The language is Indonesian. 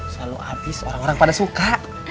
selalu habis orang orang pada suka